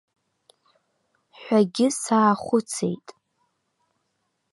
Ҳәагьы саахәыцит.